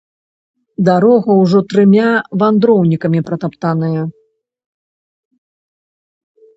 Дарога ўжо трыма вандроўнікамі пратаптаная.